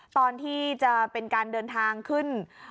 ตอนที่จะเป็นการเดินทางขึ้น